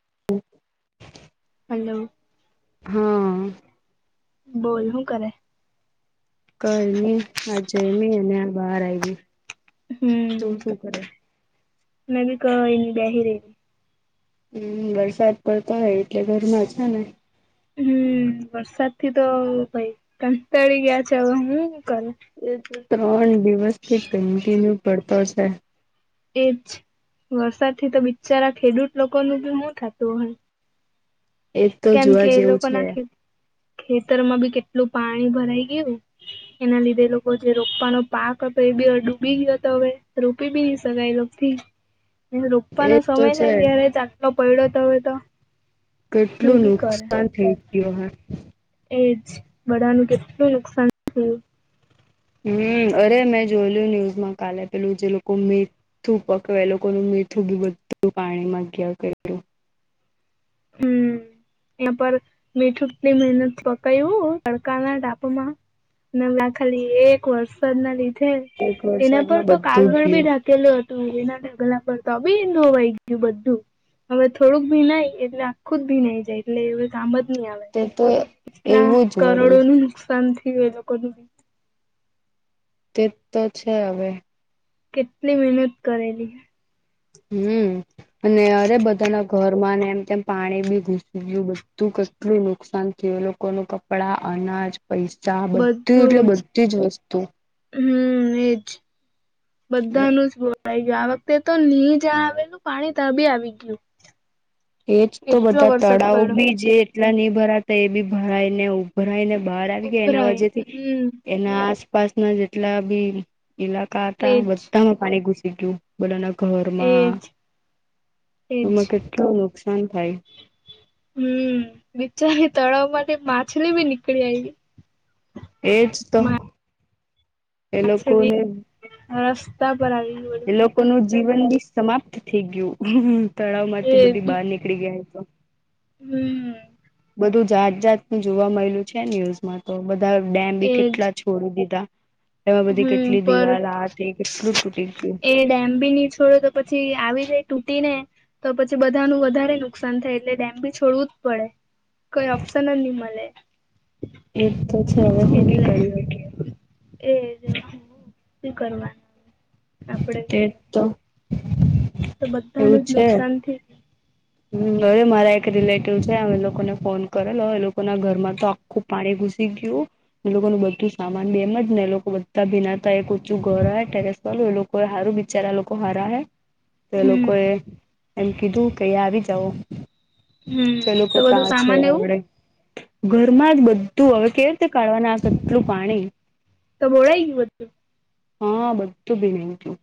[unintelligible] Hello. હા. બોલ હું કરે? કય નઈ, આ જમીને હાલ બહાર આવી. હમ તું શું કરે નવરી કઈ નઈ બેહિ રાય હા વરસાદ પડતો હોય એટલે ઘરમાંજ છે ને હમ. વરસાદ થી તો ભાઈ કંટાળી ગયા છે, હવે હું કરુ એ તો ત્રણ દિવસથી કન્ટિન્યુ પડ પડ છે એજ વરસાદથી તો બિચારા ખેડૂત લોકોનું બી હુ થાતું હસ? એ તો કેમ કે જોવા એ જેવું છે લોકોના ખેત ખેતરમાં બી કેટલું પાણી ભરાઈ ગયું એના લીધે એ લોકો જે રોપવાનો પાક હતો, એબી ડૂબી ગયો હતો, હવે રોપી બી નહી શકાય એ લોકોથી [inaudible] રોપવાનો એ સમય તો છે થાય ત્યારે જ આટલો પડ્યો હોય તો હું કેટલું બી કરે. નુકસાન થઈ ગયું? એજ બધાનું કેટલું નુકસાન થયુ? હમ અરે મેં જોયેલું ન્યુઝમાં કાલે પેલું જે લોકો મેં જે હતું પકવેલુ તે બધુજ પાણી માં ગયું હશે હમ. એટલે પર મીઠુ કેટલી મહેનતથી પકાયું તડકાના તાપમા ખાલી એક વરસાદના લીધે, એક એના પર વરસાદમાં તો બધું કાગળ બી ગયું ઢાક કેલું હતું એના ગલા પર તો આવી નવાઈ ગયું બધું હવે થોડુંક ભી ન એટલે આખું જ ભી નઈ જાય એટલે એ કામ જ આવે તે તો એટલા એવું જ કરોડો વળ્યું નું નુકસાન થયું એ લોકો ન બી તે તો છે હવે કેટલી મહેનત કરેલી? હમ અને અરે બધાના ઘર માં ને એમ તેમ પાણી બી ઘુસી ગયું, બધું કેટલું નુકસાન થયું લોકોનું ક ડા અનાજ પૈસા બધી એટલે બધી જ વસ્તુ હમ એજ બધાનું જ ઈ ગયું આ વખતે તો નહી જ આવેલું પાણી તાબી આવી ગયું. એજ તો એટલો બધા વરસાદ તળાવ પડ્યો બી જે એટલા નહી ભરાતા એ બી ભરાયને ભરાઈ ને બહાર આવી ગયા એના ઉભરાય વેથૂં હમ એના આસપાસના જેટલા બી ઈલાકા હતા તેજ બધામાં પાણી ઘુસી ગયું. બધાના એજ ઘરમાં, એજ એમાં કેટલું નુકસાન થાય? હમ બિચારી તળાવમાંથી માછલી બી નીકળી આવી. એજ તો એ માછલી લોકોને રસ્તા પર આવી ગ લોકો ન જીવન બી સમાપ્ત થઈ ગયું તળાવ માંથી એજ બધી બહાર નીકળી ગયા તો હમ બધું જાત જાતનું જોવા મળેલું છે ન્યુઝમાં તો બધા ડેમ બી એજ કેટલા છોડી દીધા એમાં બધી હમ કેટલી પર દિવાલ આતી કેટલું તૂટી ગયું એ ડેમ બી નહી છોડો તો પછી આવી જાય તૂટી ને તો પછી બધાનું વધારે નુકસાન થાય એટલે ડેમ ભી છોડવું જ પડે કોઈ ઓપશનલ્ નિમ મળલે એક તો છે હવે હું બી એટલે કરી એ જો શ કરવાનું તે તો તો બધા ન જ નુકસાન થી હમ હવે મારા એક રિલેટિવ છેમ એ લોકોને ફોન કરેલો એ લોકો ના ઘરમાં તો ખૂબ પાડે ઘુસી ગયું એ લોકોનું બધું સામાન બેમ જ ને એ લોકો બધા ભીનાતા એ ઓચું ઘર આવે રે બોલ એ લોકો હારું બિચારા લોકો હારા હૈ તો એ હમ લોકોએ એમ કીધું કે અ આવી જવ હમ ચલું તો બધું પતા છે સામાન એવું આવડે ઘરમાં જ બધું હવે કેવી રીતે કાઢવાનું આ કેટલું પાણી તો મોોડા બધું હા બધું ભીન હતું.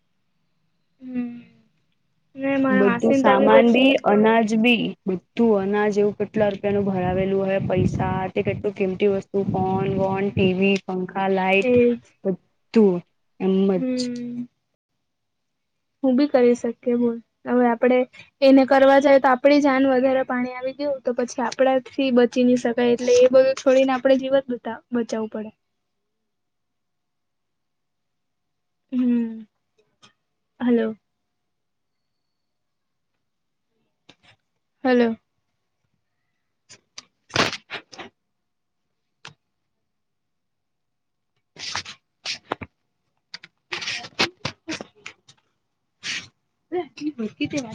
હમ ને મારા બધું માસીને તા સામાન બધું બી અનાજ બી બધું અનાજ એવું કેટલા રૂપિયા નું ભરાવેલું હોય પૈસા તે કેટલું કિમતી વસ્તુ ઓન વોન ટીવી પંખા લાાઈટ એજ બધું એમજ હમ હું બી કરી શકીએ બોલ હવે આપડે એને કરવા જાય તો આપડી જાન વધગારે પાણી આવી ગયવું તો પછી આપડા થી ચીની શકાય એટલે એ બધું છોડીને આપડણે જીવત બતા બચાવવું પડે હમ હલો હલો [inaudible] [inaudible] હ હકીતીવા